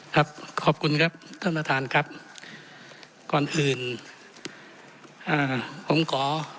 ครับขอบคุณครับท่านประธานครับก่อนอื่นอ่าผมขอ